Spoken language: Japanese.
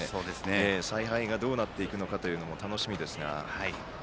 采配がどうなっていくかも楽しみですが。